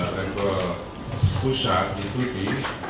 rekor kuasa itu di